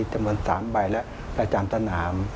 จำนวน๓ใบและประจำตนาม